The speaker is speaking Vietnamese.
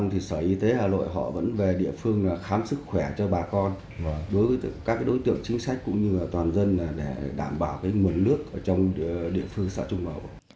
họ vẫn về địa phương khám sức khỏe cho bà con đối với các đối tượng chính sách cũng như toàn dân để đảm bảo nguồn nước trong địa phương xã trung mầu